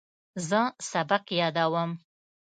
زه سبق یادوم.